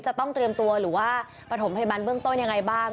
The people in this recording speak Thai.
จะต้องเตรียมตัวหรือว่าปฐมพยาบาลเบื้องต้นยังไงบ้าง